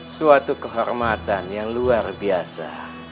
suatu kehormatan yang luar biasa